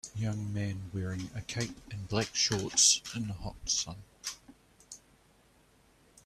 Young man wearing a cape and black shorts in the hot sun.